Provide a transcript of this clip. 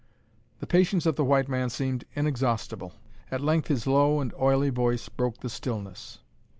The patience of the white man seemed inexhaustible. At length his low and oily voice broke the stillness.